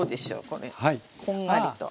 こんがりと。